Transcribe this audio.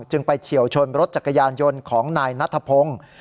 ไปเฉียวชนรถจักรยานยนต์ของนายนัทพงศ์